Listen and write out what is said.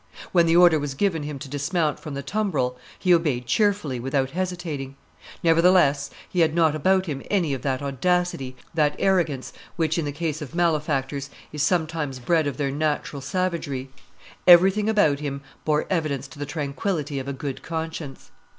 When the order was given him to dismount from the tumbrel, he obeyed cheerfully without hesitating; nevertheless he had not about him any of that audacity, that arrogance, which in the case of malefactors is sometimes bred of their natural savagery; everything about him bore evidence to the tranquillity of a good conscience.